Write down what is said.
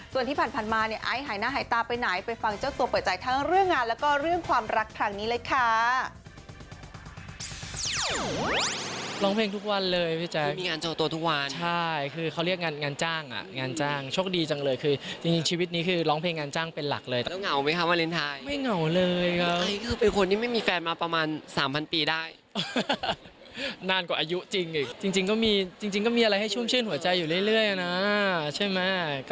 ส่วนที่ผ่านมาเนี่ยไอซ์หายหน้าหายตาไปไหนไปฟังเจ้าตัวเปิดใจทั้งเรื่องงานแล้วก็เรื่องความรักครั้งนี้เลยค่ะ